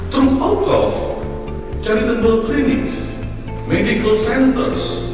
terutama dari klinik yang berkualitas